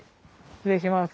失礼します。